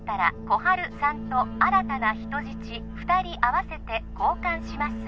心春さんと新たな人質２人合わせて交換します